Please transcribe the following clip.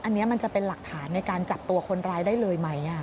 อันนี้มันจะเป็นหลักฐานในการจับตัวคนร้ายได้เลยไหม